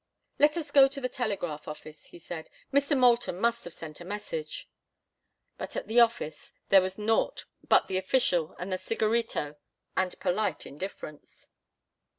"Let us go to the telegraph office," he said. "Mr. Moulton must have sent a message." But at the office there was naught but the official and the cigarito and polite indifference.